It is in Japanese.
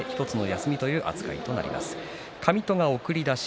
上戸が送り出し。